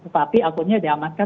tapi akunnya diamankan